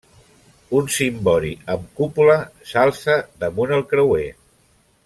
Un cimbori amb cúpula s'alça damunt el creuer.